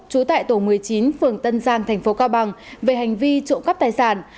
chú tại tổ một mươi chín phường tân giang tp cao bằng về hành vi trộm cắp tài sản